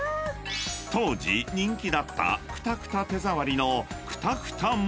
［当時人気だったくたくた手触りの］